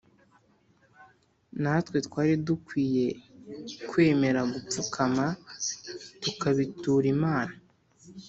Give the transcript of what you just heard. natwe twari dukwiye kwemera gupfukama tukabitura imana